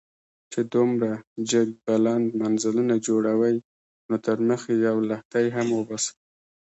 چې دومره جګ بلند منزلونه جوړوئ، نو تر مخ يې يو لښتی هم وباسئ.